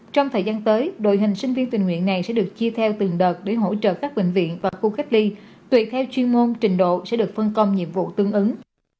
trong thời gian tới đội hình sinh viên tình nguyện này sẽ được chia theo từng đợt để hỗ trợ các bệnh viện và khu cách ly tùy theo chuyên môn trình độ sẽ được phân công nhiệm vụ tương ứng